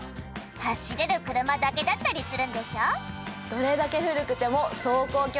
走れる車だけだったりするんでしょ？